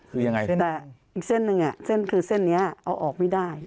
คือยังไงอีกเส้นหนึ่งอ่ะเส้นคือเส้นนี้เอาออกไม่ได้